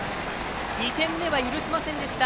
２点目は許しませんでした。